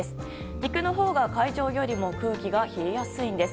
陸のほうが海上よりも空気が冷えやすいんです。